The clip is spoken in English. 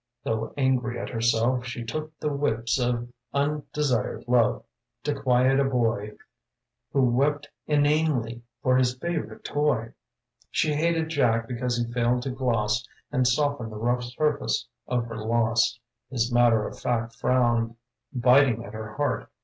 Though angry at herself, she took the whips Of undesired love, to quiet a boy Who wept inanely for his favorite toy. She hated Jack because he failed to gloss And soften the rough surface of her loss, His matter of fact frown biting at her heart.